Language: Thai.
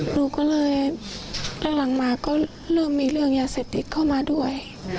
หนูก็เลยหลังมาก็เริ่มมีเรื่องยาเสพติดเข้ามาด้วย